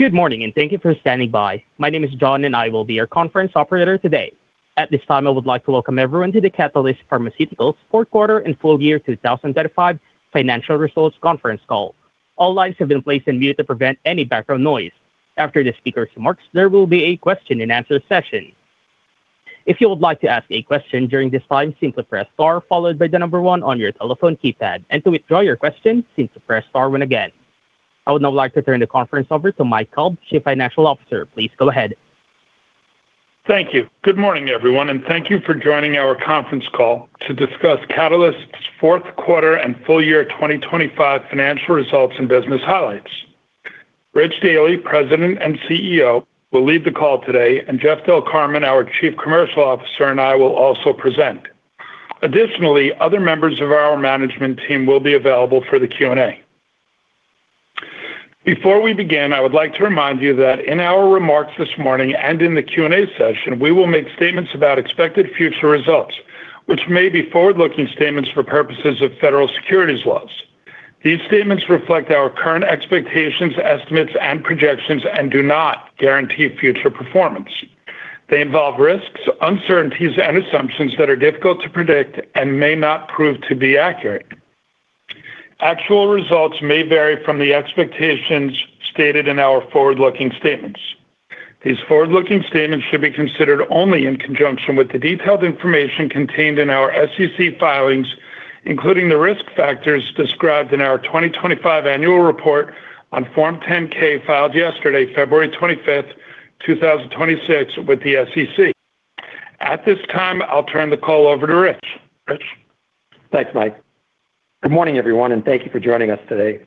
Good morning, thank you for standing by. My name is John, and I will be your conference operator today. At this time, I would like to welcome everyone to the Catalyst Pharmaceuticals Fourth Quarter and Full Year 2025 Financial Results Conference Call. All lines have been placed on mute to prevent any background noise. After the speakers' remarks, there will be a question-and-answer session. If you would like to ask a question during this time, simply press star followed by one on your telephone keypad, and to withdraw your question, simply press star one again. I would now like to turn the conference over to Mike Kalb, Chief Financial Officer. Please go ahead. Thank you. Good morning, everyone, and thank you for joining our conference call to discuss Catalyst's fourth quarter and full year 2025 financial results and business highlights. Rich Daly, President and CEO, will lead the call today, and Jeff Del Carmen, our Chief Commercial Officer, and I will also present. Additionally, other members of our management team will be available for the Q&A. Before we begin, I would like to remind you that in our remarks this morning and in the Q&A session, we will make statements about expected future results, which may be forward-looking statements for purposes of federal securities laws. These statements reflect our current expectations, estimates, and projections and do not guarantee future performance. They involve risks, uncertainties, and assumptions that are difficult to predict and may not prove to be accurate. Actual results may vary from the expectations stated in our forward-looking statements. These forward-looking statements should be considered only in conjunction with the detailed information contained in our SEC filings, including the risk factors described in our 2025 annual report on Form 10-K, filed yesterday, February 25th, 2026, with the SEC. At this time, I'll turn the call over to Rich. Rich? Thanks, Mike. Good morning, everyone. Thank you for joining us today.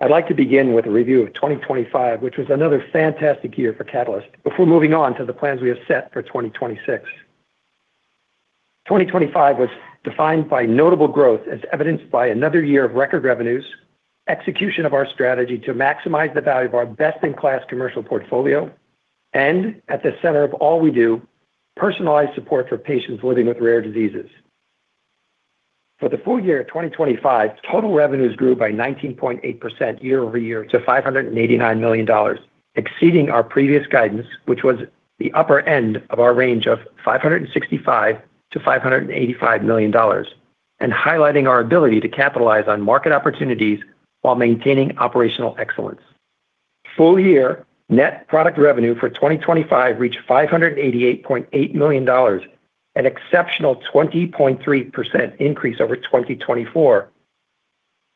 I'd like to begin with a review of 2025, which was another fantastic year for Catalyst, before moving on to the plans we have set for 2026. 2025 was defined by notable growth, as evidenced by another year of record revenues, execution of our strategy to maximize the value of our best-in-class commercial portfolio, and at the center of all we do, personalized support for patients living with rare diseases. For the full year of 2025, total revenues grew by 19.8% year-over-year to $589 million, exceeding our previous guidance, which was the upper end of our range of $565 million-$585 million, highlighting our ability to capitalize on market opportunities while maintaining operational excellence. Full year net product revenue for 2025 reached $588.8 million, an exceptional 20.3% increase over 2024.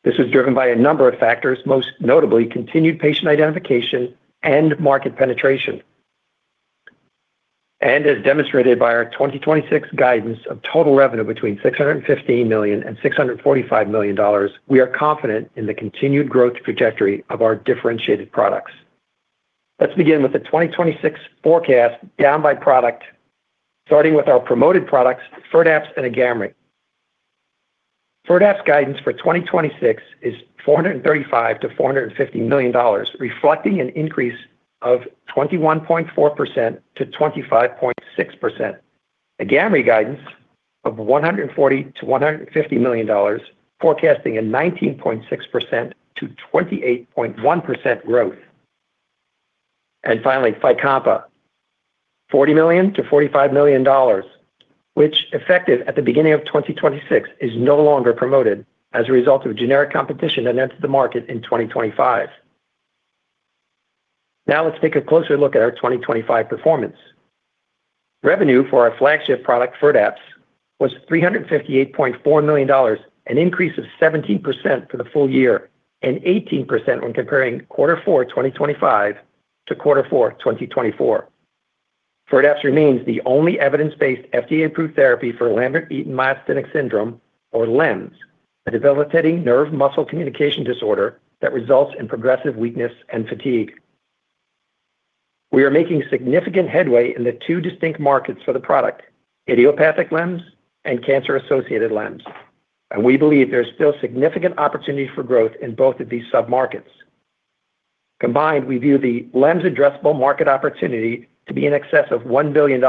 This was driven by a number of factors, most notably continued patient identification and market penetration. As demonstrated by our 2026 guidance of total revenue between $615 million and $645 million, we are confident in the continued growth trajectory of our differentiated products. Let's begin with the 2026 forecast down by product, starting with our promoted products, Firdapse and AGAMREE. Firdapse guidance for 2026 is $435 million-$450 million, reflecting an increase of 21.4%-25.6%. AGAMREE guidance of $140 million-$150 million, forecasting a 19.6%-28.1% growth. Fycompa, $40 million-$45 million, which, effective at the beginning of 2026, is no longer promoted as a result of generic competition that entered the market in 2025. Let's take a closer look at our 2025 performance. Revenue for our flagship product, Firdapse, was $358.4 million, an increase of 17% for the full year and 18% when comparing Q4 2025 to Q4 2024. Firdapse remains the only evidence-based FDA-approved therapy for Lambert-Eaton myasthenic syndrome, or LEMS, a debilitating nerve-muscle communication disorder that results in progressive weakness and fatigue. We are making significant headway in the two distinct markets for the product, idiopathic LEMS and cancer-associated LEMS. We believe there's still significant opportunity for growth in both of these sub-markets. Combined, we view the LEMS addressable market opportunity to be in excess of $1 billion.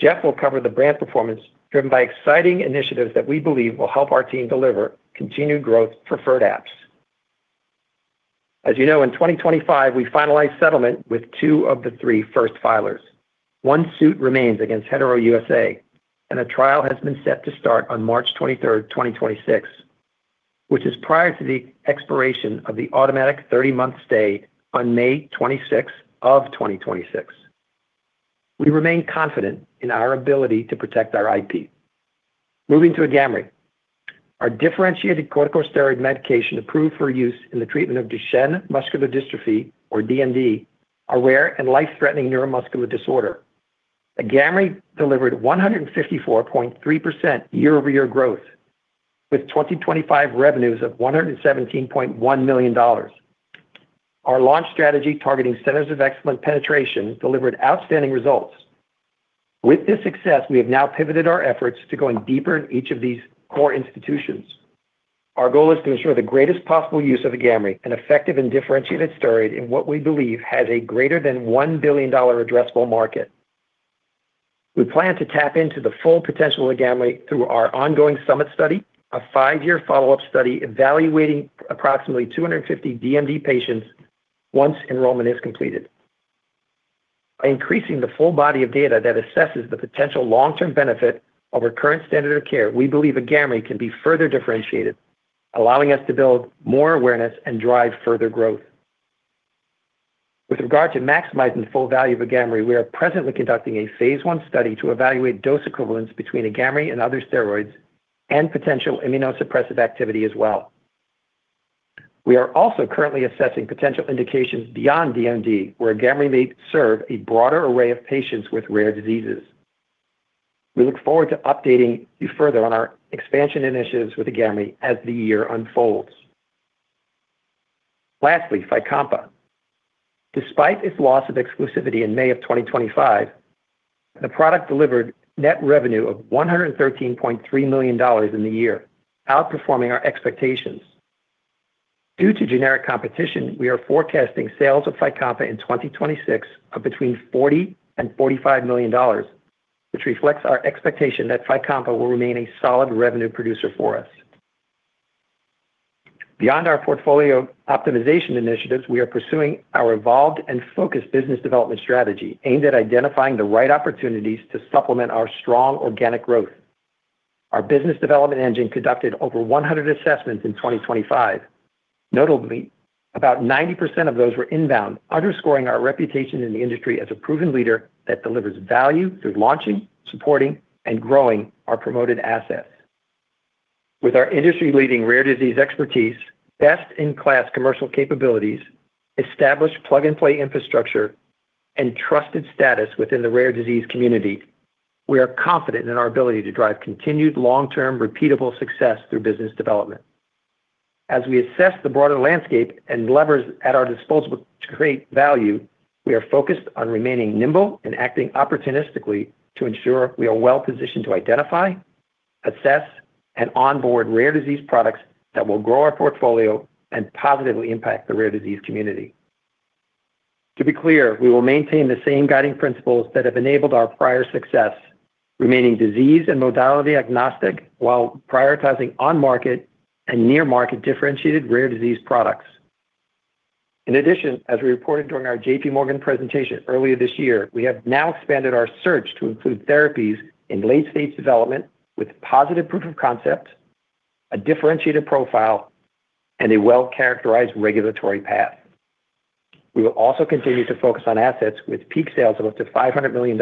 Jeff will cover the brand performance, driven by exciting initiatives that we believe will help our team deliver continued growth for Firdapse. As you know, in 2025, we finalized settlement with two of the three first filers. One suit remains against Hetero USA. A trial has been set to start on March 23, 2026, which is prior to the expiration of the automatic 30-month stay on May 26, 2026. We remain confident in our ability to protect our IP. Moving to AGAMREE, our differentiated corticosteroid medication approved for use in the treatment of Duchenne muscular dystrophy, or DMD, a rare and life-threatening neuromuscular disorder. AGAMREE delivered 154.3% year-over-year growth, with 2025 revenues of $117.1 million. Our launch strategy, targeting centers of excellence penetration, delivered outstanding results. With this success, we have now pivoted our efforts to going deeper in each of these core institutions. Our goal is to ensure the greatest possible use of AGAMREE, an effective and differentiated steroid in what we believe has a greater than $1 billion addressable market. We plan to tap into the full potential of AGAMREE through our ongoing SUMMIT study, a five-year follow-up study evaluating approximately 250 DMD patients once enrollment is completed. By increasing the full body of data that assesses the potential long-term benefit of our current standard of care, we believe AGAMREE can be further differentiated, allowing us to build more awareness and drive further growth. With regard to maximizing the full value of AGAMREE, we are presently conducting a phase I study to evaluate dose equivalence between AGAMREE and other steroids and potential immunosuppressive activity as well. We are also currently assessing potential indications beyond DMD, where AGAMREE may serve a broader array of patients with rare diseases. We look forward to updating you further on our expansion initiatives with AGAMREE as the year unfolds. Fycompa. Despite its loss of exclusivity in May of 2025, the product delivered net revenue of $113.3 million in the year, outperforming our expectations. Due to generic competition, we are forecasting sales of Fycompa in 2026 of between $40 million and $45 million, which reflects our expectation that Fycompa will remain a solid revenue producer for us. Beyond our portfolio optimization initiatives, we are pursuing our evolved and focused business development strategy, aimed at identifying the right opportunities to supplement our strong organic growth. Our business development engine conducted over 100 assessments in 2025. Notably, about 90% of those were inbound, underscoring our reputation in the industry as a proven leader that delivers value through launching, supporting, and growing our promoted assets. With our industry-leading rare disease expertise, best-in-class commercial capabilities, established plug-and-play infrastructure, and trusted status within the rare disease community, we are confident in our ability to drive continued long-term, repeatable success through business development. As we assess the broader landscape and levers at our disposal to create value, we are focused on remaining nimble and acting opportunistically to ensure we are well-positioned to identify, assess, and onboard rare disease products that will grow our portfolio and positively impact the rare disease community. To be clear, we will maintain the same guiding principles that have enabled our prior success, remaining disease and modality agnostic, while prioritizing on-market and near-market differentiated rare disease products. In addition, as we reported during our JPMorgan presentation earlier this year, we have now expanded our search to include therapies in late-stage development with positive proof of concept, a differentiated profile, and a well-characterized regulatory path. We will also continue to focus on assets with peak sales of up to $500 million,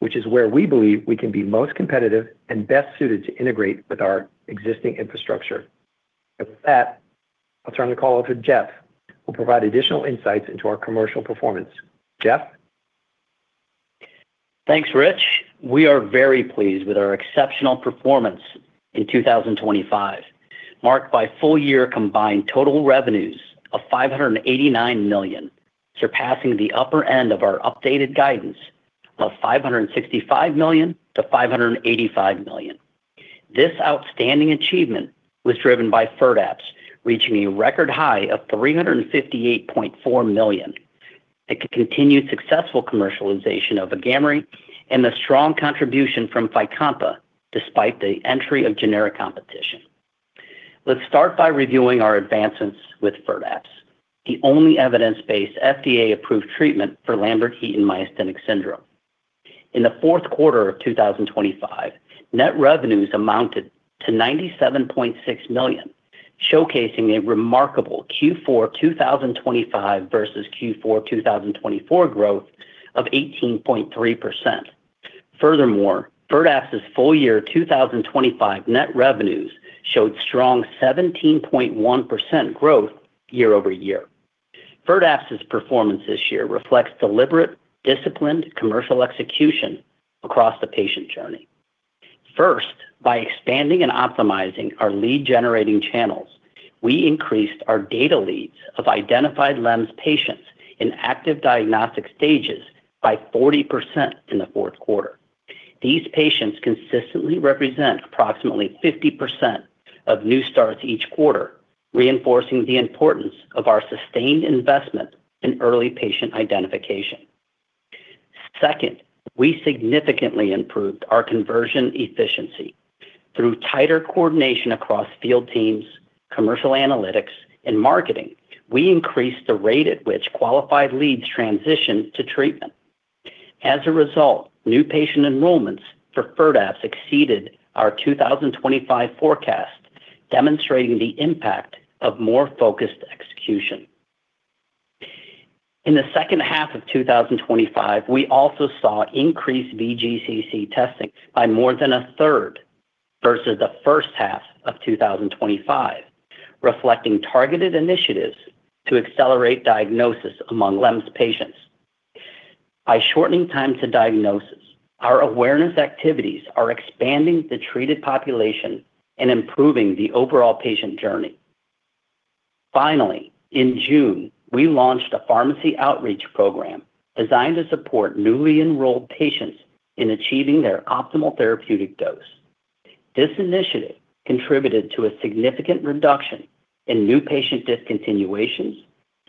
which is where we believe we can be most competitive and best suited to integrate with our existing infrastructure. With that, I'll turn the call over to Jeff, who will provide additional insights into our commercial performance. Jeff? Thanks, Rich. We are very pleased with our exceptional performance in 2025, marked by full-year combined total revenues of $589 million, surpassing the upper end of our updated guidance of $565 million-$585 million. This outstanding achievement was driven by Firdapse, reaching a record high of $358.4 million. It continued successful commercialization of AGAMREE and the strong contribution from Fycompa, despite the entry of generic competition. Let's start by reviewing our advancements with Firdapse, the only evidence-based FDA-approved treatment for Lambert-Eaton myasthenic syndrome. In the fourth quarter of 2025, net revenues amounted to $97.6 million, showcasing a remarkable Q4 2025 versus Q4 2024 growth of 18.3%. Furthermore, Firdapse's full year 2025 net revenues showed strong 17.1% growth year-over-year. Firdapse's performance this year reflects deliberate, disciplined commercial execution across the patient journey. First, by expanding and optimizing our lead-generating channels, we increased our data leads of identified LEMS patients in active diagnostic stages by 40% in the fourth quarter. These patients consistently represent approximately 50% of new starts each quarter, reinforcing the importance of our sustained investment in early patient identification. Second, we significantly improved our conversion efficiency. Through tighter coordination across field teams, commercial analytics, and marketing, we increased the rate at which qualified leads transitioned to treatment. As a result, new patient enrollments for Firdapse exceeded our 2025 forecast, demonstrating the impact of more focused execution. In the second half of 2025, we also saw increased VGCC testing by more than a third versus the first half of 2025, reflecting targeted initiatives to accelerate diagnosis among LEMS patients. By shortening time to diagnosis, our awareness activities are expanding the treated population and improving the overall patient journey. Finally, in June, we launched a pharmacy outreach program designed to support newly enrolled patients in achieving their optimal therapeutic dose. This initiative contributed to a significant reduction in new patient discontinuations,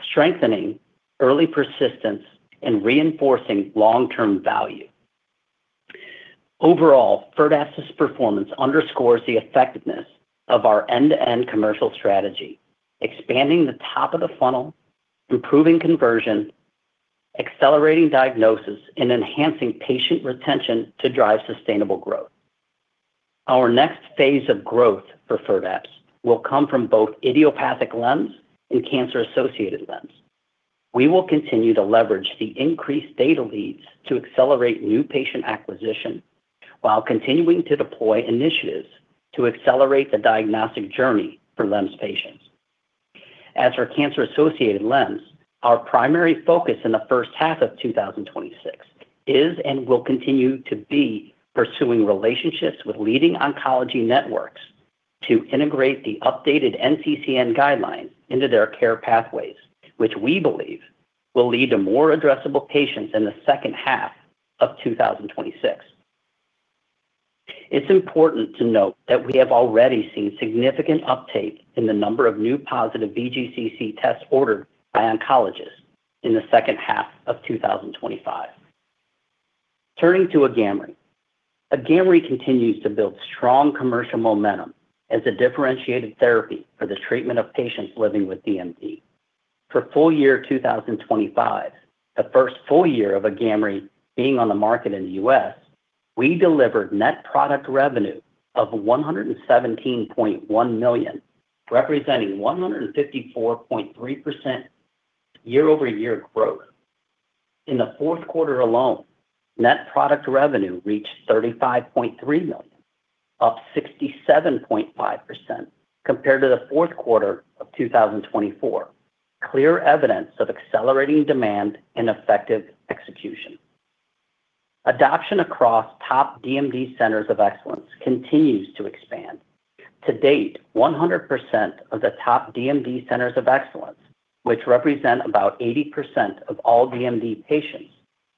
strengthening early persistence, and reinforcing long-term value. Overall, Firdapse's performance underscores the effectiveness of our end-to-end commercial strategy, expanding the top of the funnel, improving conversion, accelerating diagnosis, and enhancing patient retention to drive sustainable growth. Our next phase of growth for Firdapse will come from both idiopathic LEMS and cancer-associated LEMS. We will continue to leverage the increased data leads to accelerate new patient acquisition, while continuing to deploy initiatives to accelerate the diagnostic journey for LEMS patients. As for cancer-associated LEMS, our primary focus in the first half of 2026 is, and will continue to be, pursuing relationships with leading oncology networks to integrate the updated NCCN guidelines into their care pathways, which we believe will lead to more addressable patients in the second half of 2026. It's important to note that we have already seen significant uptake in the number of new positive VGCC tests ordered by oncologists in the second half of 2025. Turning to AGAMREE. AGAMREE continues to build strong commercial momentum as a differentiated therapy for the treatment of patients living with DMD. For full year 2025, the first full year of AGAMREE being on the market in the U.S., we delivered net product revenue of $117.1 million, representing 154.3% year-over-year growth. In the fourth quarter alone, net product revenue reached $35.3 million, up 67.5% compared to the fourth quarter of 2024. Clear evidence of accelerating demand and effective execution. Adoption across top DMD centers of excellence continues to expand. To date, 100% of the top DMD centers of excellence, which represent about 80% of all DMD patients,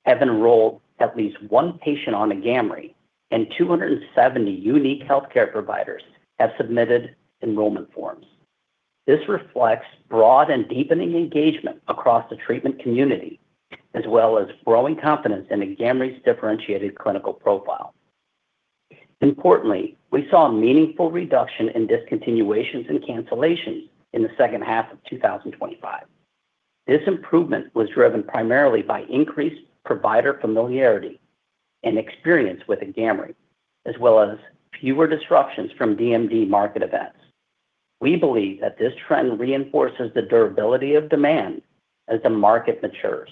have enrolled at least one patient on AGAMREE, and 270 unique healthcare providers have submitted enrollment forms. This reflects broad and deepening engagement across the treatment community, as well as growing confidence in AGAMREE's differentiated clinical profile. Importantly, we saw a meaningful reduction in discontinuations and cancellations in the second half of 2025. This improvement was driven primarily by increased provider familiarity and experience with AGAMREE, as well as fewer disruptions from DMD market events. We believe that this trend reinforces the durability of demand as the market matures.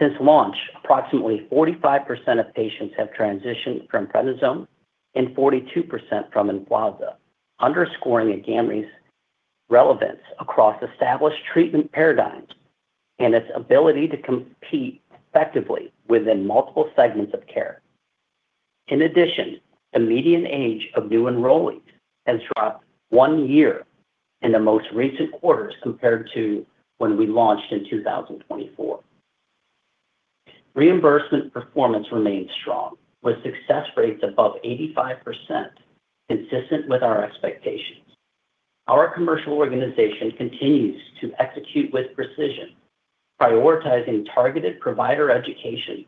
Since launch, approximately 45% of patients have transitioned from Prednisone and 42% from Emflaza, underscoring AGAMREE's relevance across established treatment paradigms and its ability to compete effectively within multiple segments of care. In addition, the median age of new enrollees has dropped one year in the most recent quarters compared to when we launched in 2024. Reimbursement performance remains strong, with success rates above 85%, consistent with our expectations. Our commercial organization continues to execute with precision, prioritizing targeted provider education,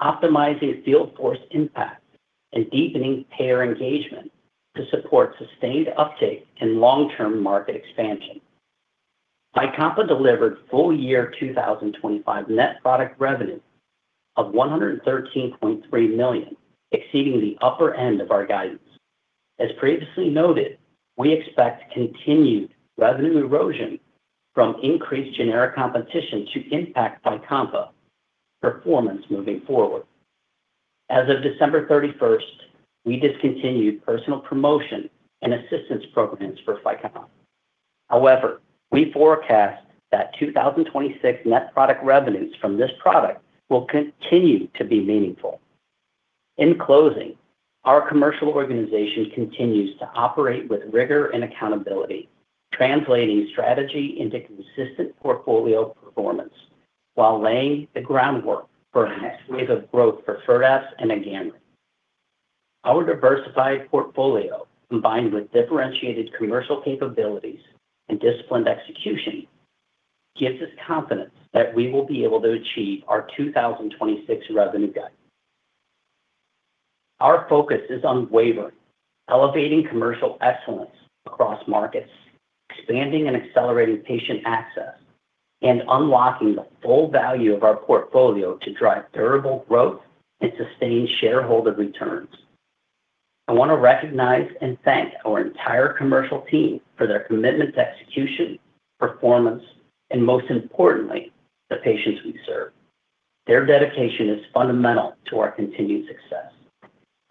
optimizing field force impact, and deepening payer engagement to support sustained uptake and long-term market expansion. Fycompa delivered full year 2025 net product revenue of $113.3 million, exceeding the upper end of our guidance. As previously noted, we expect continued revenue erosion from increased generic competition to impact Fycompa performance moving forward. As of December 31st, we discontinued personal promotion and assistance programs for Fycompa. We forecast that 2026 net product revenues from this product will continue to be meaningful. In closing, our commercial organization continues to operate with rigor and accountability, translating strategy into consistent portfolio performance while laying the groundwork for the next wave of growth for Firdapse and AGAMREE. Our diversified portfolio, combined with differentiated commercial capabilities and disciplined execution, gives us confidence that we will be able to achieve our 2026 revenue guidance. Our focus is unwavering, elevating commercial excellence across markets, expanding and accelerating patient access, and unlocking the full value of our portfolio to drive durable growth and sustain shareholder returns. I want to recognize and thank our entire commercial team for their commitment to execution, performance, and most importantly, the patients we serve. Their dedication is fundamental to our continued success.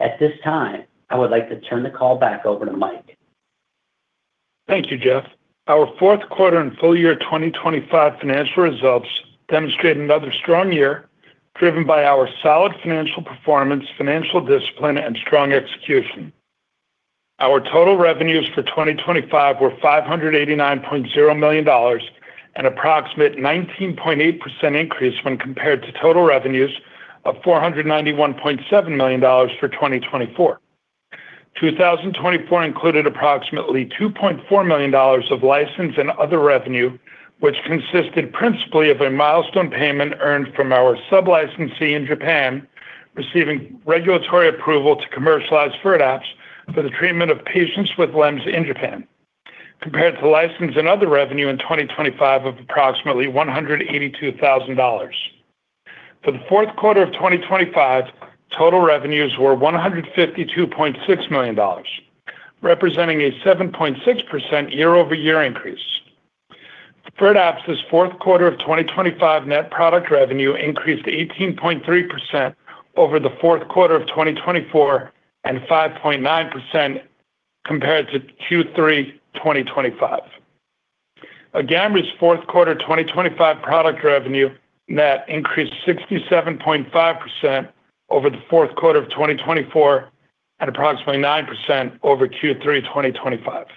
At this time, I would like to turn the call back over to Mike. Thank you, Jeff. Our fourth quarter and full year 2025 financial results demonstrate another strong year, driven by our solid financial performance, financial discipline, and strong execution. Our total revenues for 2025 were $589.0 million, an approximate 19.8% increase when compared to total revenues of $491.7 million for 2024. 2024 included approximately $2.4 million of license and other revenue, which consisted principally of a milestone payment earned from our sub-licensee in Japan, receiving regulatory approval to commercialize Firdapse for the treatment of patients with LEMS in Japan. Compared to license and other revenue in 2025 of approximately $182,000. For the fourth quarter of 2025, total revenues were $152.6 million, representing a 7.6% year-over-year increase. Firdapse's fourth quarter of 2025 net product revenue increased 18.3% over the fourth quarter of 2024, and 5.9% compared to Q3 2025. AGAMREE's fourth quarter 2025 product revenue net increased 67.5% over the fourth quarter of 2024 at approximately 9% over Q3 2025.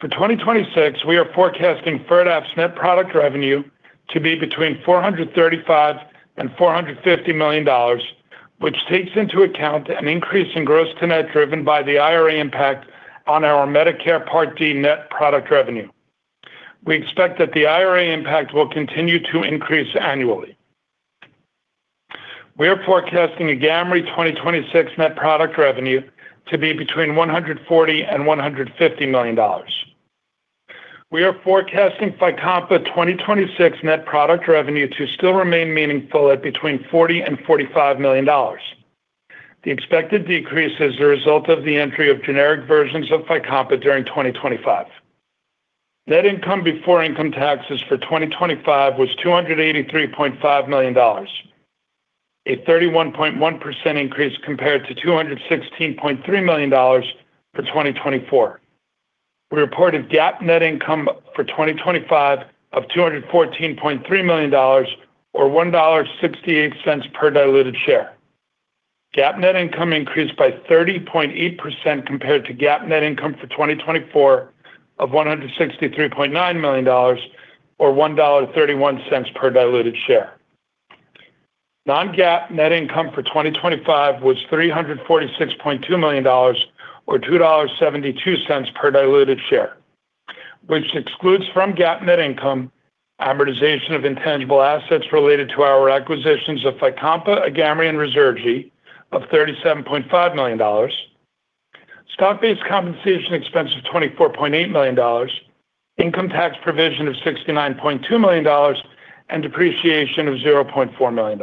For 2026, we are forecasting Firdapse net product revenue to be between $435 million and $450 million, which takes into account an increase in gross-to-net, driven by the IRA impact on our Medicare Part D net product revenue. We expect that the IRA impact will continue to increase annually. We are forecasting AGAMREE 2026 net product revenue to be between $140 million and $150 million. We are forecasting Fycompa 2026 net product revenue to still remain meaningful at between $40 million and $45 million. The expected decrease is a result of the entry of generic versions of Fycompa during 2025. Net income before income taxes for 2025 was $283.5 million, a 31.1% increase compared to $216.3 million for 2024. We reported GAAP net income for 2025 of $214.3 million or $1.68 per diluted share. GAAP net income increased by 30.8% compared to GAAP net income for 2024 of $163.9 million or $1.31 per diluted share. Non-GAAP net income for 2025 was $346.2 million or $2.72 per diluted share, which excludes from GAAP net income amortization of intangible assets related to our acquisitions of Fycompa, AGAMREE, and Ruzurgi of $37.5 million. Stock-based compensation expense of $24.8 million, income tax provision of $69.2 million, and depreciation of $0.4 million.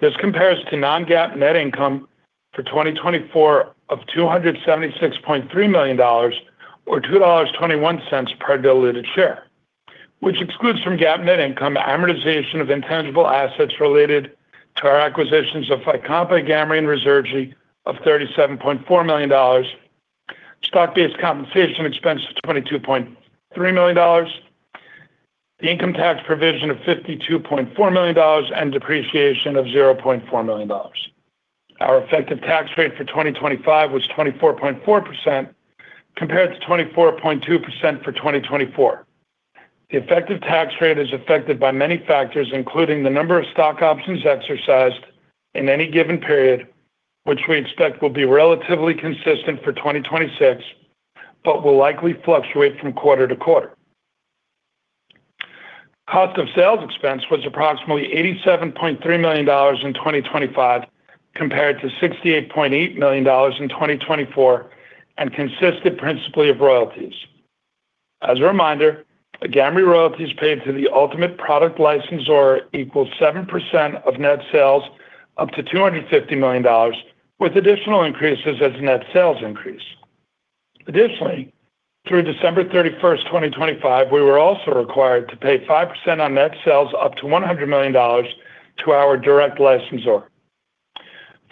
This compares to Non-GAAP net income for 2024 of $276.3 million or $2.21 per diluted share, which excludes from GAAP net income amortization of intangible assets related to our acquisitions of Fycompa, AGAMREE, and Ruzurgi of $37.4 million. Stock-based compensation expense of $22.3 million, the income tax provision of $52.4 million, and depreciation of $0.4 million. Our effective tax rate for 2025 was 24.4%, compared to 24.2% for 2024. The effective tax rate is affected by many factors, including the number of stock options exercised in any given period, which we expect will be relatively consistent for 2026, but will likely fluctuate from quarter to quarter. Cost of sales expense was approximately $87.3 million in 2025, compared to $68.8 million in 2024, consisted principally of royalties. As a reminder, Agamree royalties paid to the ultimate product licensor equals 7% of net sales, up to $250 million, with additional increases as net sales increase. Additionally, through December 31st, 2025, we were also required to pay 5% on net sales, up to $100 million to our direct licensor.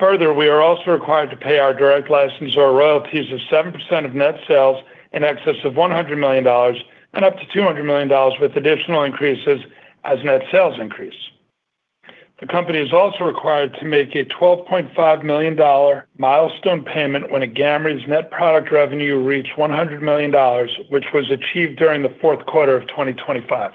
We are also required to pay our direct licensor royalties of 7% of net sales in excess of $100 million and up to $200 million, with additional increases as net sales increase. The company is also required to make a $12.5 million milestone payment when AGAMREE's net product revenue reached $100 million, which was achieved during the fourth quarter of 2025.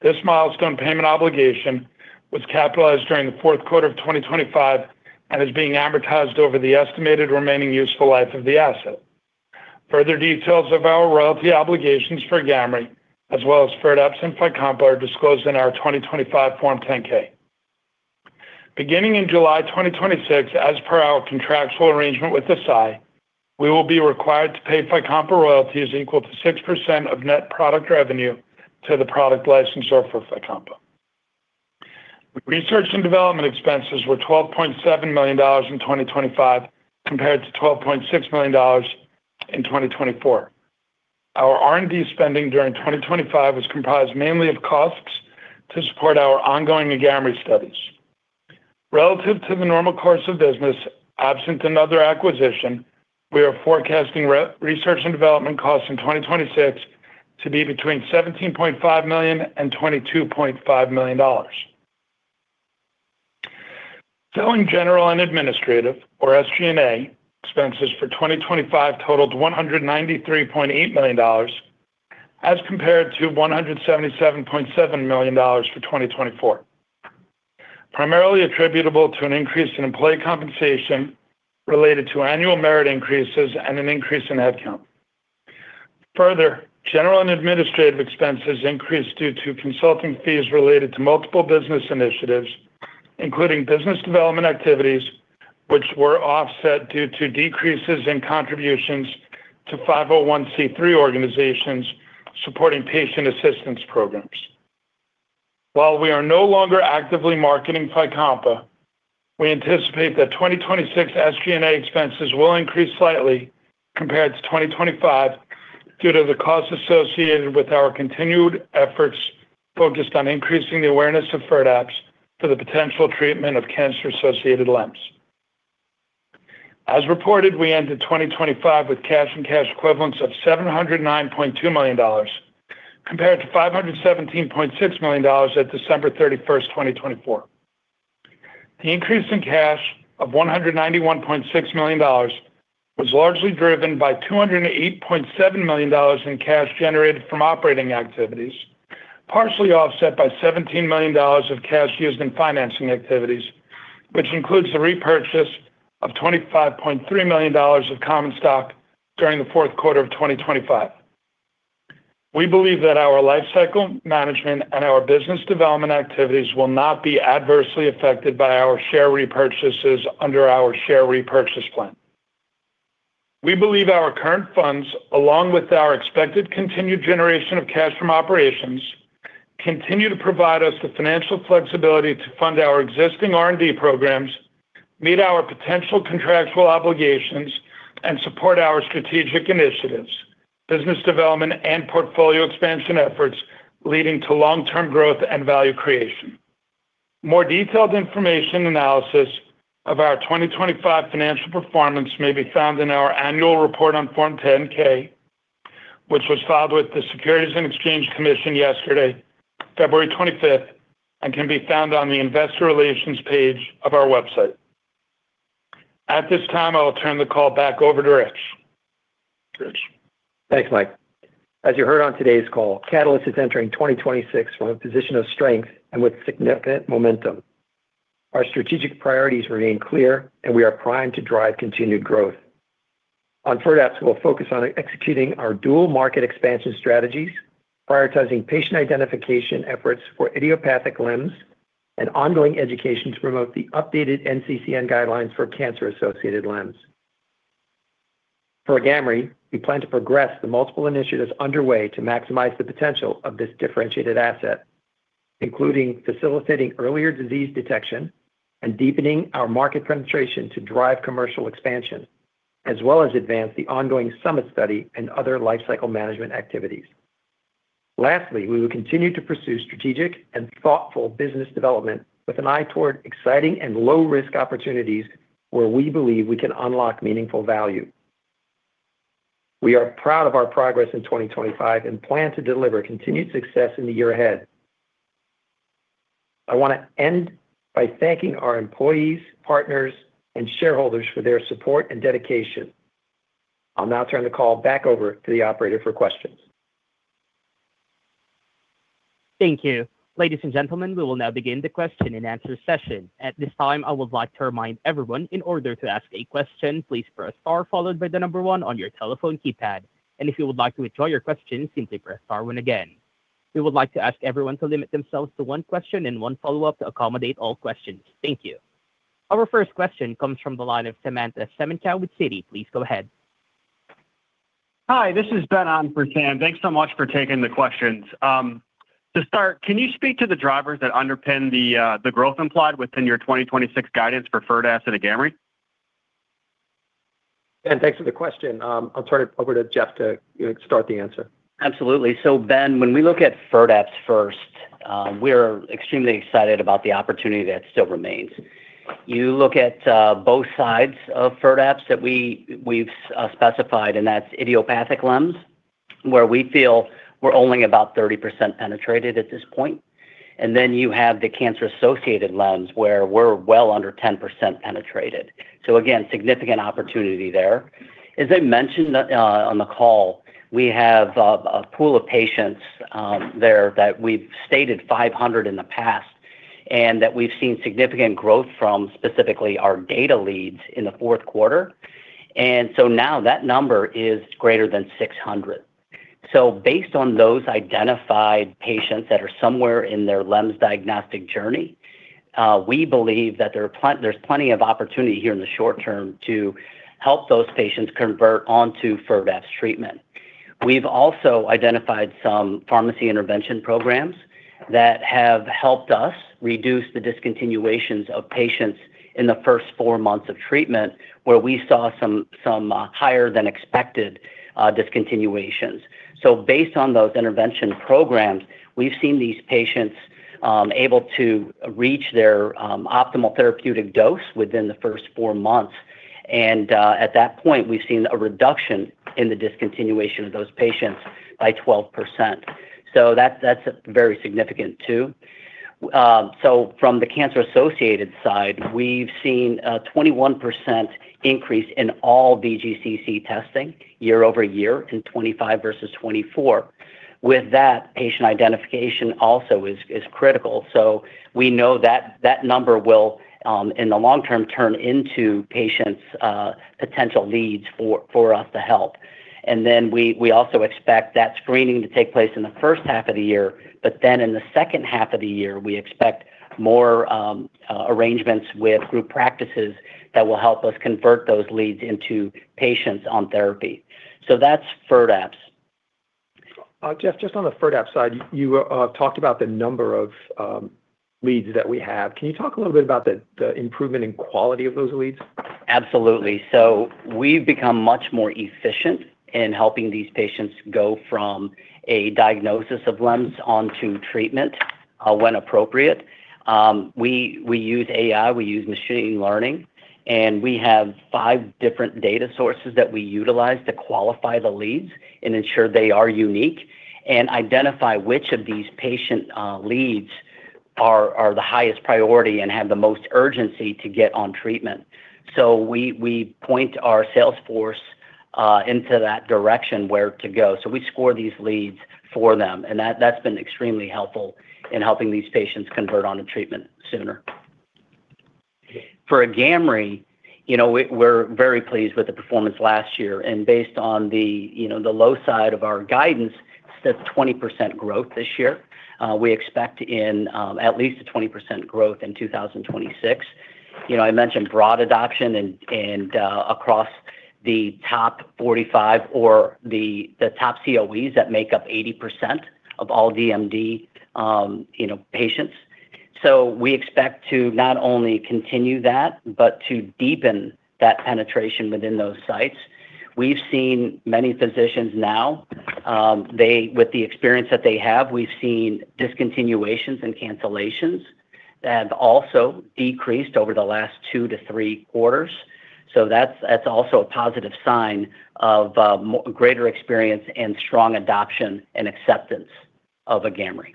This milestone payment obligation was capitalized during the fourth quarter of 2025 and is being amortized over the estimated remaining useful life of the asset. Further details of our royalty obligations for AGAMREE, as well as Firdapse and Fycompa, are disclosed in our 2025 Form 10-K. Beginning in July 2026, as per our contractual arrangement with Eisai, we will be required to pay Fycompa royalties equal to 6% of net product revenue to the product licensor for Fycompa. Research and development expenses were $12.7 million in 2025, compared to $12.6 million in 2024. Our R&D spending during 2025 was comprised mainly of costs to support our ongoing AGAMREE studies. Relative to the normal course of business, absent another acquisition, we are forecasting research and development costs in 2026 to be between $17.5 million and $22.5 million. Selling general and administrative, or SG&A, expenses for 2025 totaled $193.8 million, as compared to $177.7 million for 2024. Primarily attributable to an increase in employee compensation related to annual merit increases and an increase in headcount. General and administrative expenses increased due to consulting fees related to multiple business initiatives, including business development activities, which were offset due to decreases in contributions to 501(c)(3) organizations supporting patient assistance programs. While we are no longer actively marketing Fycompa, we anticipate that 2026 SG&A expenses will increase slightly compared to 2025 due to the costs associated with our continued efforts focused on increasing the awareness of Firdapse for the potential treatment of cancer-associated LEMS. As reported, we ended 2025 with cash and cash equivalents of $709.2 million, compared to $517.6 million at December 31st, 2024. The increase in cash of $191.6 million was largely driven by $208.7 million in cash generated from operating activities, partially offset by $17 million of cash used in financing activities, which includes the repurchase of $25.3 million of common stock during the fourth quarter of 2025. We believe that our life cycle management and our business development activities will not be adversely affected by our share repurchases under our share repurchase plan. We believe our current funds, along with our expected continued generation of cash from operations, continue to provide us the financial flexibility to fund our existing R&D programs, meet our potential contractual obligations, and support our strategic initiatives, business development, and portfolio expansion efforts leading to long-term growth and value creation. More detailed information analysis of our 2025 financial performance may be found in our annual report on Form 10-K, which was filed with the Securities and Exchange Commission yesterday, February 25th, and can be found on the Investor Relations page of our website. At this time, I will turn the call back over to Rich. Rich? Thanks, Mike. As you heard on today's call, Catalyst is entering 2026 from a position of strength and with significant momentum. Our strategic priorities remain clear, we are primed to drive continued growth. On Firdapse, we'll focus on executing our dual market expansion strategies, prioritizing patient identification efforts for idiopathic LEMS, and ongoing education to promote the updated NCCN guidelines for cancer-associated LEMS. For AGAMREE, we plan to progress the multiple initiatives underway to maximize the potential of this differentiated asset, including facilitating earlier disease detection and deepening our market penetration to drive commercial expansion, as well as advance the ongoing SUMMIT study and other lifecycle management activities. Lastly, we will continue to pursue strategic and thoughtful business development with an eye toward exciting and low-risk opportunities where we believe we can unlock meaningful value. We are proud of our progress in 2025 and plan to deliver continued success in the year ahead. I want to end by thanking our employees, partners, and shareholders for their support and dedication. I'll now turn the call back over to the operator for questions. Thank you. Ladies and gentlemen, we will now begin the question and answer session. At this time, I would like to remind everyone, in order to ask a question, please press star followed by the number one on your telephone keypad, and if you would like to withdraw your question, simply press star one again. We would like to ask everyone to limit themselves to one question and one follow-up to accommodate all questions. Thank you. Our first question comes from the line of Samantha Semenkow with Citi. Please go ahead. Hi, this is Ben on for Sam. Thanks so much for taking the questions. To start, can you speak to the drivers that underpin the growth implied within your 2026 guidance for Firdapse and AGAMREE? Ben, thanks for the question. I'll turn it over to Jeff to start the answer. Absolutely. Ben, when we look at Firdapse first, we're extremely excited about the opportunity that still remains. You look at both sides of Firdapse that we've specified, and that's idiopathic LEMS, where we feel we're only about 30% penetrated at this point. Then you have the cancer-associated LEMS, where we're well under 10% penetrated. Again, significant opportunity there. As I mentioned on the call, we have a pool of patients there that we've stated 500 in the past, and that we've seen significant growth from specifically our data leads in the fourth quarter. Now that number is greater than 600. Based on those identified patients that are somewhere in their LEMS diagnostic journey, we believe that there's plenty of opportunity here in the short term to help those patients convert onto Firdapse treatment. We've also identified some pharmacy intervention programs that have helped us reduce the discontinuations of patients in the first four months of treatment, where we saw some higher than expected discontinuations. Based on those intervention programs, we've seen these patients able to reach their optimal therapeutic dose within the first four months. At that point, we've seen a reduction in the discontinuation of those patients by 12%. That's very significant too. From the cancer-associated side, we've seen a 21% increase in all RGCC testing year-over-year in 2025 versus 2024. With that, patient identification also is critical. We know that that number will in the long term, turn into patients', potential leads for us to help. We also expect that screening to take place in the first half of the year, but then in the second half of the year, we expect more arrangements with group practices that will help us convert those leads into patients on therapy. That's Firdapse. Jeff, just on the Firdapse side, you talked about the number of leads that we have. Can you talk a little bit about the improvement in quality of those leads? Absolutely. We've become much more efficient in helping these patients go from a diagnosis of LEMS on to treatment, when appropriate. We use AI, we use machine learning, and we have five different data sources that we utilize to qualify the leads and ensure they are unique, and identify which of these patient leads are the highest priority and have the most urgency to get on treatment. We point our sales force into that direction, where to go. We score these leads for them, and that's been extremely helpful in helping these patients convert onto treatment sooner. For AGAMREE, you know, we're very pleased with the performance last year, and based on the, you know, the low side of our guidance, that's 20% growth this year. We expect in, at least a 20% growth in 2026. You know, I mentioned broad adoption and, across the top 45 or the top COEs that make up 80% of all DMD, you know, patients. We expect to not only continue that, but to deepen that penetration within those sites. We've seen many physicians now, with the experience that they have, we've seen discontinuations and cancellations that have also decreased over the last two-three quarters. That's also a positive sign of greater experience and strong adoption and acceptance of AGAMREE.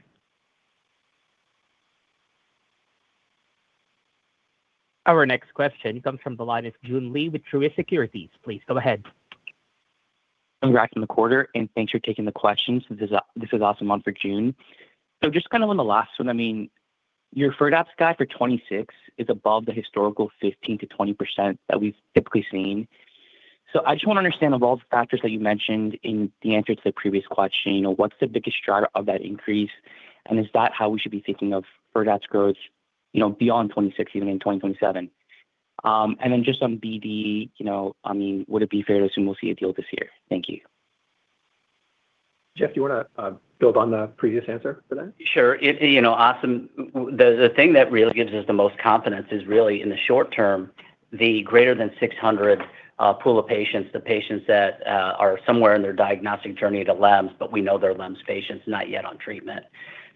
Our next question comes from the line of Joon Lee with Truist Securities. Please, go ahead. Congrats on the quarter, and thanks for taking the questions. This is Asim one for Joon. Just kind of on the last one, I mean, your Firdapse guide for 2026 is above the historical 15%-20% that we've typically seen. I just want to understand of all the factors that you mentioned in the answer to the previous question, what's the biggest driver of that increase? Is that how we should be thinking of Firdapse growth, you know, beyond 2026 and then in 2027? Just on BD, you know, I mean, would it be fair to assume we'll see a deal this year? Thank you. Jeff, do you wanna build on the previous answer for that? Sure. You know, Asim. The thing that really gives us the most confidence is really, in the short term, the greater than 600 pool of patients, the patients that are somewhere in their diagnostic journey to LEMS, but we know they're LEMS patients, not yet on treatment.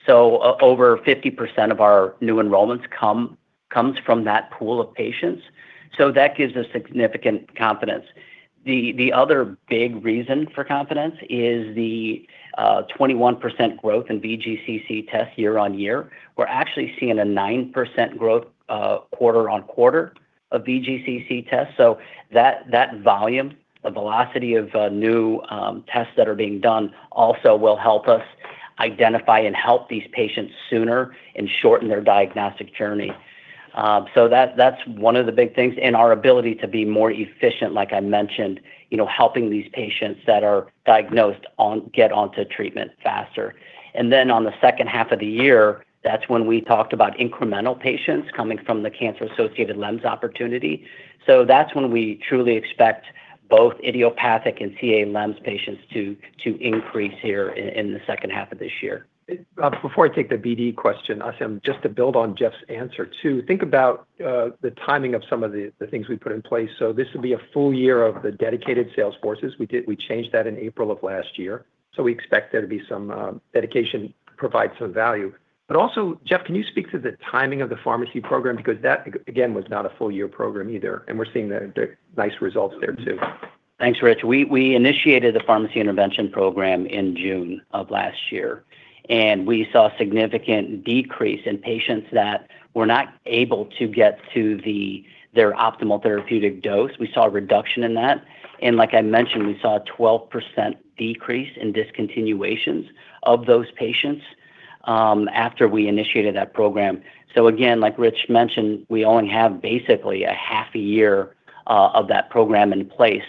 Over 50% of our new enrollments comes from that pool of patients, so that gives us significant confidence. The other big reason for confidence is the 21% growth in RGCC tests year on year. We're actually seeing a 9% growth quarter on quarter of RGCC tests. That volume, the velocity of new tests that are being done also will help us identify and help these patients sooner and shorten their diagnostic journey. That's one of the big things, our ability to be more efficient, like I mentioned, you know, helping these patients that are diagnosed on, get onto treatment faster. Then on the second half of the year, that's when we talked about incremental patients coming from the cancer-associated LEMS opportunity. That's when we truly expect both idiopathic and CALEMS patients to increase here in the second half of this year. Before I take the BD question, Asim, just to build on Jeff's answer too, think about the timing of some of the things we put in place. This will be a full year of the dedicated sales forces. We changed that in April of last year, so we expect there to be some dedication, provide some value. Jeff, can you speak to the timing of the pharmacy program? Because that again, was not a full year program either, and we're seeing the nice results there too. Thanks, Rich. We initiated the pharmacy intervention program in June of last year. We saw a significant decrease in patients that were not able to get to their optimal therapeutic dose. We saw a reduction in that. Like I mentioned, we saw a 12% decrease in discontinuations of those patients after we initiated that program. Again, like Rich mentioned, we only have basically a half a year of that program in place,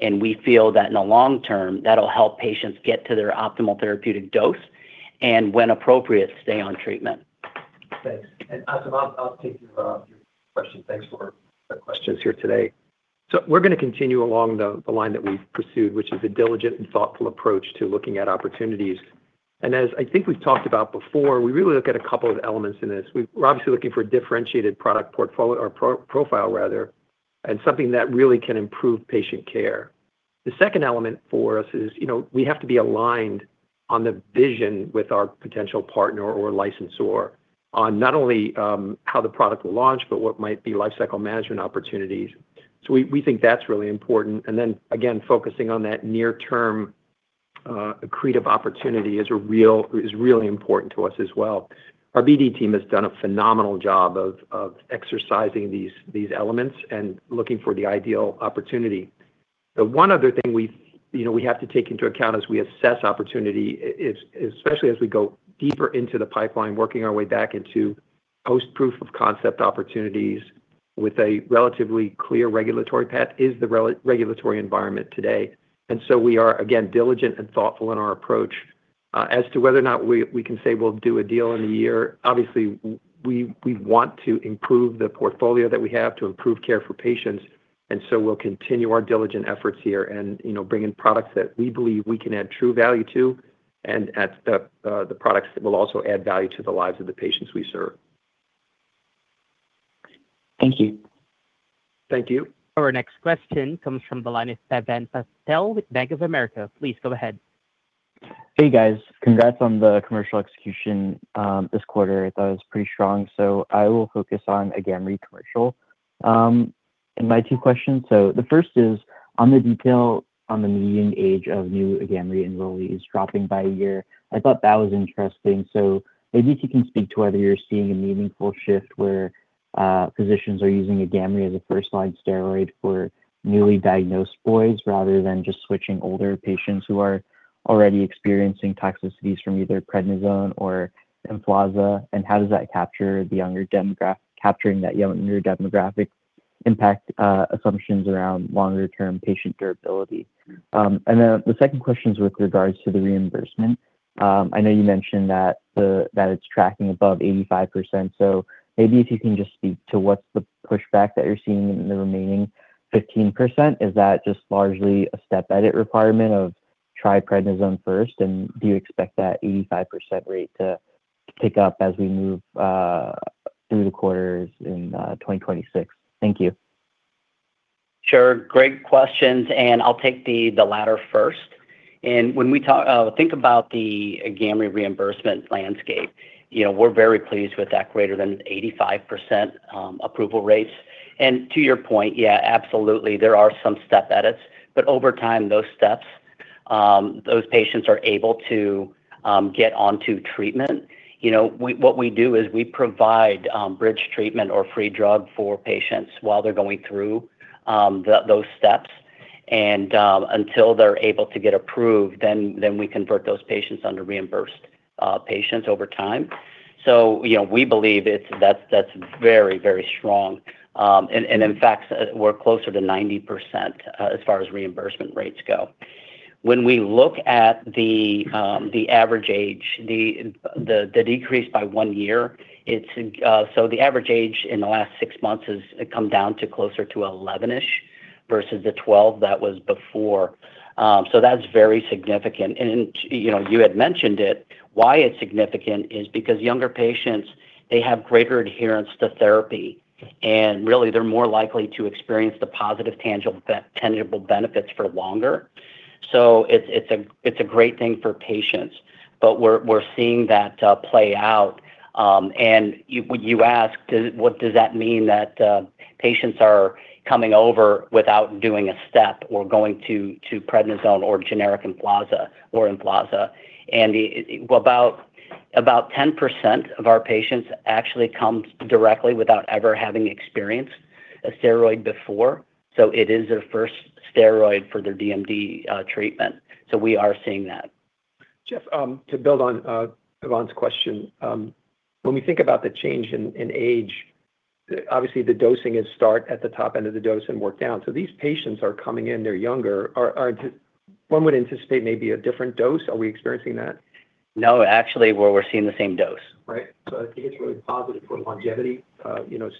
and we feel that in the long term, that'll help patients get to their optimal therapeutic dose, and when appropriate, stay on treatment. Thanks. Asim, I'll take your question. Thanks for the questions here today. We're gonna continue along the line that we've pursued, which is a diligent and thoughtful approach to looking at opportunities. As I think we've talked about before, we really look at a couple of elements in this. We're obviously looking for a differentiated product profile rather, and something that really can improve patient care. The second element for us is, you know, we have to be aligned on the vision with our potential partner or licensor on not only how the product will launch, but what might be lifecycle management opportunities. We think that's really important. Again, focusing on that near-term creative opportunity is really important to us as well. Our BD team has done a phenomenal job of exercising these elements and looking for the ideal opportunity. The one other thing we, you know, we have to take into account as we assess opportunity, is, especially as we go deeper into the pipeline, working our way back into post-proof of concept opportunities with a relatively clear regulatory path, is the regulatory environment today. We are, again, diligent and thoughtful in our approach. As to whether or not we can say we'll do a deal in a year, obviously, we want to improve the portfolio that we have to improve care for patients, and so we'll continue our diligent efforts here and, you know, bring in products that we believe we can add true value to, and add the products that will also add value to the lives of the patients we serve. Thank you. Thank you. Our next question comes from the line of Pavan Patel with Bank of America. Please go ahead. Hey, guys. Congrats on the commercial execution, this quarter. I thought it was pretty strong. I will focus on AGAMREE commercial, and my two questions. The first is, on the detail on the median age of new AGAMREE enrollees dropping by one year, I thought that was interesting. Maybe if you can speak to whether you're seeing a meaningful shift where physicians are using AGAMREE as a first-line steroid for newly diagnosed boys rather than just switching older patients who are already experiencing toxicities from either Prednisone or Emflaza, and how does that capture the younger demographic impact, assumptions around longer term patient durability? The second question is with regards to the reimbursement. I know you mentioned that it's tracking above 85%, maybe if you can just speak to what's the pushback that you're seeing in the remaining 15%? Is that just largely a step edit requirement of try Prednisone first, do you expect that 85% rate to pick up as we move through the quarters in 2026? Thank you. Sure. Great questions. I'll take the latter first. When we talk, think about the AGAMREE reimbursement landscape, you know, we're very pleased with that greater than 85% approval rates. To your point, yeah, absolutely, there are some step edits, but over time, those steps, those patients are able to get onto treatment. You know, what we do is we provide bridge treatment or free drug for patients while they're going through those steps. Until they're able to get approved, then we convert those patients under reimbursed patients over time. You know, we believe that's very, very strong. In fact, we're closer to 90% as far as reimbursement rates go. When we look at the average age, the decrease by one year, it's. The average age in the last six months has come down to closer to 11-ish versus the 12 that was before. That's very significant. You know, you had mentioned it. Why it's significant is because younger patients, they have greater adherence to therapy, and really, they're more likely to experience the positive tangible benefits for longer. It's, it's a, it's a great thing for patients, but we're seeing that play out. You, when you ask, what does that mean that patients are coming over without doing a step or going to Prednisone or generic Emflaza or Emflaza? Well, about 10% of our patients actually come directly without ever having experienced a steroid before, so it is their first steroid for their DMD treatment. We are seeing that. Jeff, to build on Pavan's question, when we think about the change in age, obviously, the dosing is start at the top end of the dose and work down. These patients are coming in, they're younger. One would anticipate maybe a different dose. Are we experiencing that? No, actually, we're seeing the same dose. Right. I think it's really positive for longevity, you know,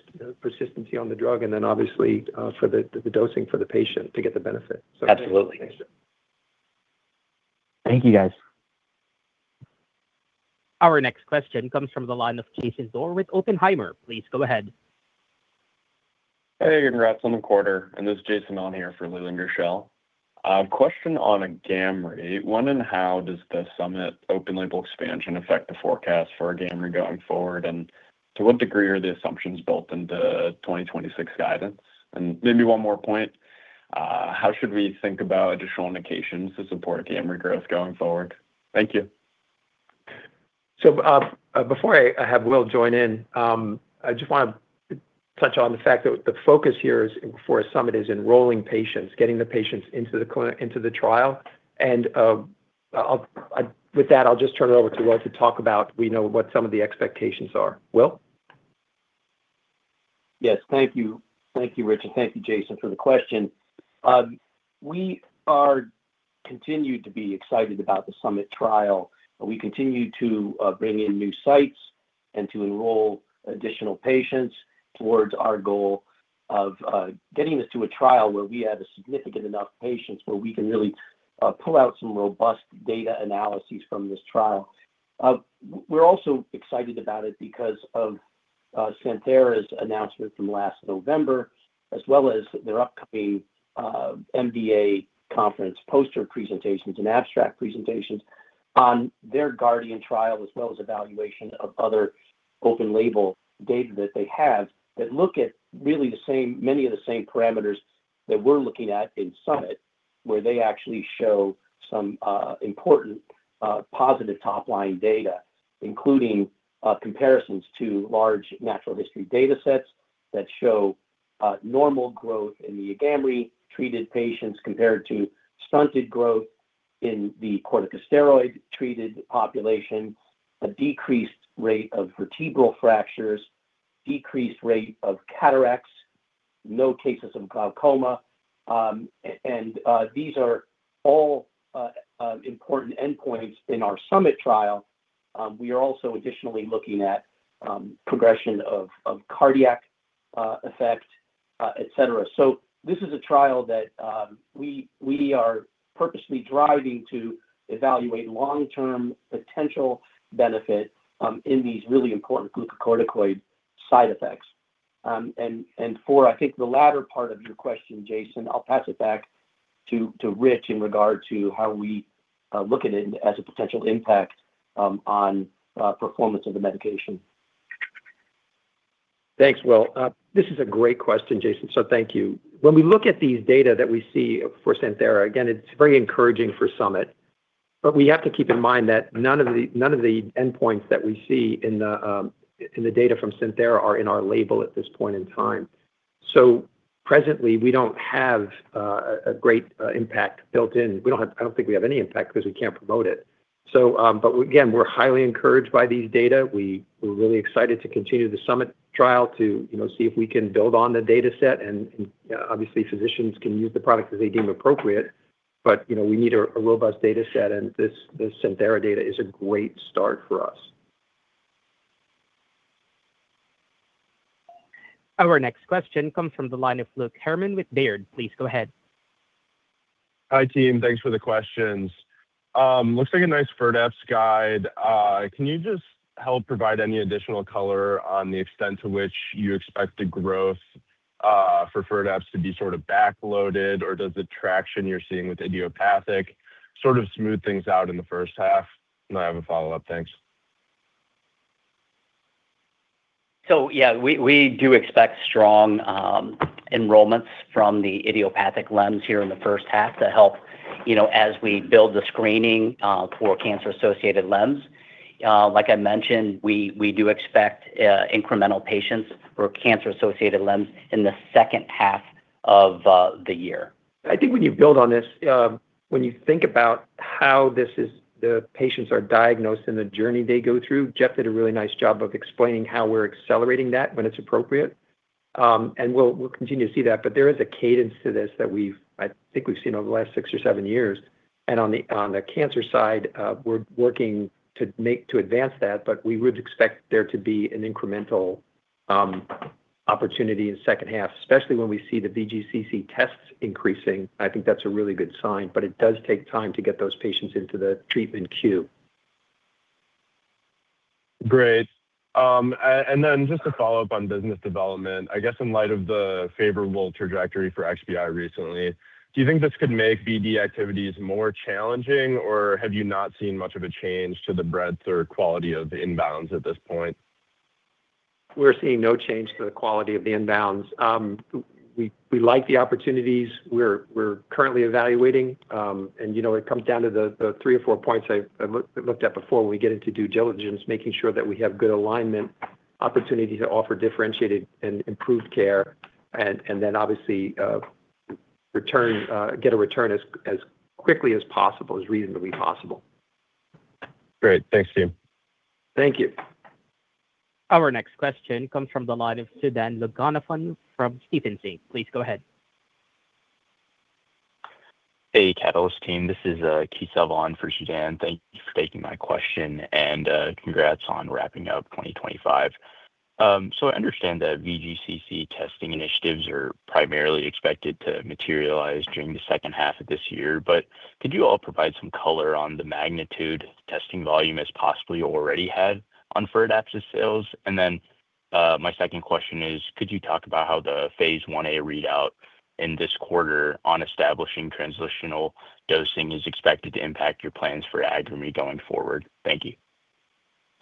persistency on the drug, and then obviously, for the dosing for the patient to get the benefit. Absolutely. Thanks, Jeff. Thank you, guys. Our next question comes from the line of Jason Dorr with Oppenheimer. Please go ahead. Hey, congrats on the quarter. This is Jason on here for Leland Gershell. A question on AGAMREE. When and how does the SUMMIT open label expansion affect the forecast for AGAMREE going forward? To what degree are the assumptions built in the 2026 guidance? Maybe one more point, how should we think about additional indications to support AGAMREE growth going forward? Thank you. Before I have Will join in, I just wanna touch on the fact that the focus here is, for us, SUMMIT, is enrolling patients, getting the patients into the trial. With that, I'll just turn it over to Will to talk about we know what some of the expectations are. Will? Yes. Thank you. Thank you, Richard. Thank you, Jason, for the question. We are continued to be excited about the SUMMIT study. We continue to bring in new sites and to enroll additional patients towards our goal of getting this to a study where we have a significant enough patients, where we can really pull out some robust data analyses from this study. We're also excited about it because Santhera's announcement from last November, as well as their upcoming MDA Clinical & Scientific Conference poster presentations and abstract presentations on their GUARDIAN Trial, as well as evaluation of other open label data that they have that look at really the same, many of the same parameters that we're looking at in SUMMIT. Where they actually show some important positive top-line data, including comparisons to large natural history data sets that show normal growth in the AGAMREE treated patients, compared to stunted growth in the corticosteroid-treated population, a decreased rate of vertebral fractures, decreased rate of cataracts, no cases of glaucoma. These are all important endpoints in our SUMMIT trial. We are also additionally looking at progression of cardiac effect, et cetera. This is a trial that we are purposely driving to evaluate long-term potential benefit in these really important glucocorticoid side effects. For, I think, the latter part of your question, Jason, I'll pass it back to Rich in regard to how we look at it as a potential impact on performance of the medication. Thanks, Will. This is a great question, Jason, thank you. When we look at these data that we see for Santhera, again, it's very encouraging for SUMMIT. We have to keep in mind that none of the endpoints that we see in the data from Santhera are in our label at this point in time. Presently, we don't have a great impact built in. I don't think we have any impact because we can't promote it. Again, we're highly encouraged by these data. We're really excited to continue the SUMMIT trial to, you know, see if we can build on the dataset, and obviously, physicians can use the product as they deem appropriate. You know, we need a robust dataset, and this Santhera data is a great start for us. Our next question comes from the line of Luke Herrmann with Baird. Please go ahead. Hi, team. Thanks for the questions. looks like a nice Firdapse guide. can you just help provide any additional color on the extent to which you expect the growth for Firdapse to be sort of backloaded, or does the traction you're seeing with idiopathic sort of smooth things out in the first half? I have a follow-up. Thanks. Yeah, we do expect strong enrollments from the idiopathic LEMS here in the first half to help, you know, as we build the screening for cancer-associated LEMS. Like I mentioned, we do expect incremental patients for cancer-associated LEMS in the second half of the year. I think when you build on this, when you think about how this is, the patients are diagnosed and the journey they go through, Jeff did a really nice job of explaining how we're accelerating that when it's appropriate. We'll continue to see that, but there is a cadence to this that we've, I think we've seen over the last six or seven years. On the cancer side, we're working to advance that, but we would expect there to be an incremental opportunity in second half, especially when we see the RGCC tests increasing. I think that's a really good sign, but it does take time to get those patients into the treatment queue. Great. Just to follow up on business development, I guess in light of the favorable trajectory for XBI recently, do you think this could make BD activities more challenging, or have you not seen much of a change to the breadth or quality of the inbounds at this point? We're seeing no change to the quality of the inbounds. We like the opportunities we're currently evaluating. You know, it comes down to the three or four points I've looked at before we get into due diligence, making sure that we have good alignment, opportunity to offer differentiated and improved care, and then obviously, return, get a return as quickly as possible, as reasonably possible. Great. Thanks, team. Thank you. Our next question comes from the line of Sudan Loganathan from Stephens. Please go ahead. Hey, Catalyst team, this is Keith Savon for Sudan. Thank you for taking my question, and congrats on wrapping up 2025. I understand that VGCC testing initiatives are primarily expected to materialize during the second half of this year, but could you all provide some color on the magnitude testing volume as possibly already had on Firdapse sales? My second question is, could you talk about how the phase I-A readout in this quarter on establishing transitional dosing is expected to impact your plans for AGAMREE going forward? Thank you.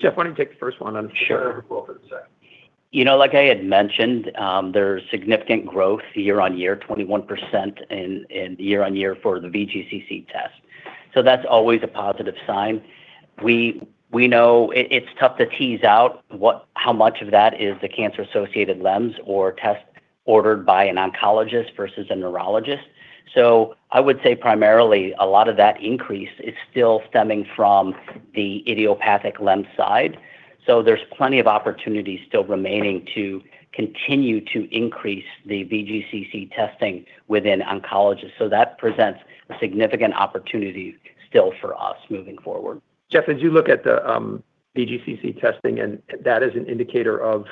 Jeff, why don't you take the first one? Sure. For the second. You know, like I had mentioned, there's significant growth year-over-year, 21% in year-over-year for the VGCC test. That's always a positive sign. We know it's tough to tease out how much of that is the cancer-associated LEMS or test ordered by an oncologist versus a neurologist. I would say primarily a lot of that increase is still stemming from the idiopathic LEMS side. There's plenty of opportunities still remaining to continue to increase the VGCC testing within oncologists. That presents a significant opportunity still for us moving forward. Jeff, as you look at the VGCC testing, and that is an indicator of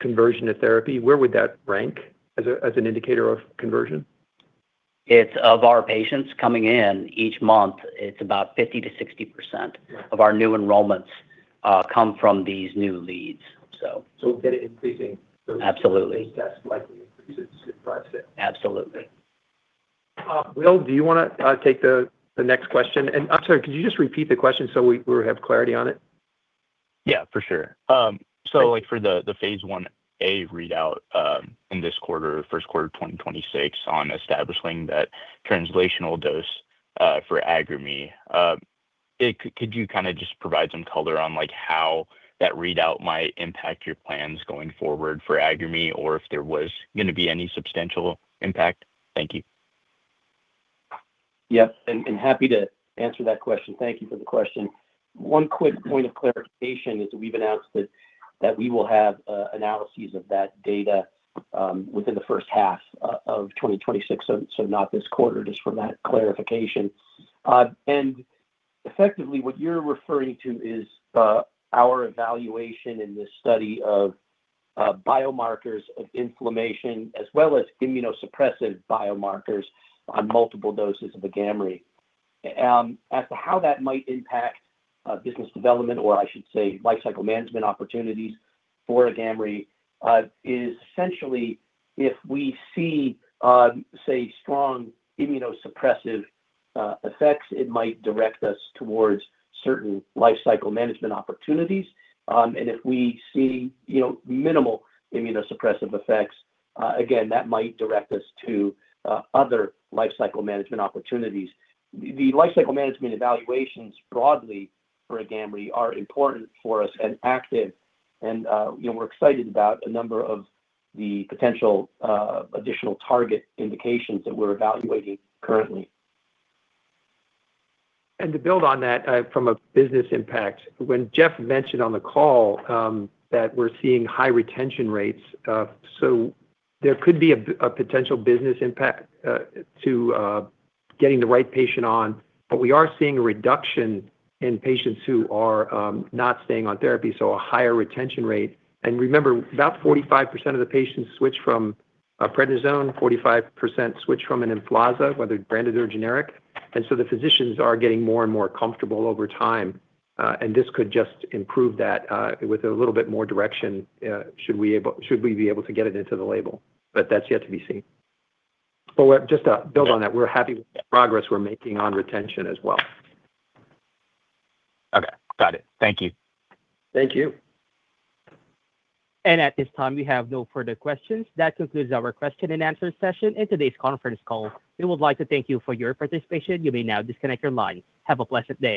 conversion to therapy, where would that rank as an indicator of conversion? It's of our patients coming in each month, it's about 50%-60% of our new enrollments come from these new leads. That is increasing? Absolutely. That's likely increases. Absolutely. Will, do you wanna, take the next question? I'm sorry, could you just repeat the question so we'll have clarity on it? Yeah, for sure. Like for the phase I-A readout, in this quarter, first quarter of 2026 on establishing that translational dose, for AGAMREE. Could you kinda just provide some color on, like, how that readout might impact your plans going forward for AGAMREE, or if there was gonna be any substantial impact? Thank you. Yes, and happy to answer that question. Thank you for the question. One quick point of clarification is we've announced that we will have analyses of that data within the first half of 2026. Not this quarter, just for that clarification. Effectively, what you're referring to is our evaluation in this study of biomarkers of inflammation, as well as immunosuppressive biomarkers on multiple doses of AGAMREE. As to how that might impact business development, or I should say, lifecycle management opportunities for AGAMREE, is essentially if we see, say, strong immunosuppressive effects, it might direct us towards certain lifecycle management opportunities. If we see, you know, minimal immunosuppressive effects, again, that might direct us to other lifecycle management opportunities. The lifecycle management evaluations broadly for AGAMREE are important for us and active, and, you know, we're excited about a number of the potential, additional target indications that we're evaluating currently. To build on that, from a business impact, when Jeff mentioned on the call, that we're seeing high retention rates, so there could be a potential business impact to getting the right patient on. We are seeing a reduction in patients who are not staying on therapy, so a higher retention rate. Remember, about 45% of the patients switch from a Prednisone, 45% switch from an Emflaza, whether branded or generic. The physicians are getting more and more comfortable over time, and this could just improve that with a little bit more direction, should we be able to get it into the label. That's yet to be seen. Just to build on that, we're happy with the progress we're making on retention as well. Okay, got it. Thank you. Thank you. At this time, we have no further questions. That concludes our question and answer session and today's conference call. We would like to thank you for your participation. You may now disconnect your line. Have a blessed day.